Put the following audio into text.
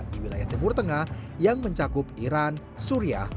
di wilayah timur tengah yang mencakup iran suriah